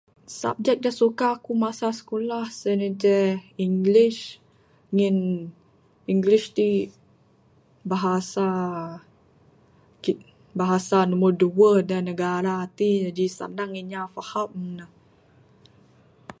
Subject da suka aku masa skulah sien inceh english ngin english ti bahasa kit bahasa da numur duweh da negara ti Ji sanang inya paham ne.